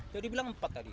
jadi bilang empat tadi